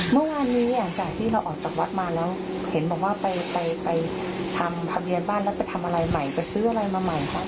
เมื่อวานนี้หลังจากที่เราออกจากวัดมาแล้วเห็นบอกว่าไปทำทะเบียนบ้านแล้วไปทำอะไรใหม่ไปซื้ออะไรมาใหม่ค่ะ